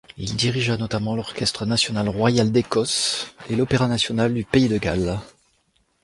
Il dirigea notamment l'Orchestre national royal d'Écosse et l'Opéra national du pays de Galles.